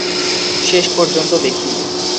শেষ পর্যন্ত দেখি।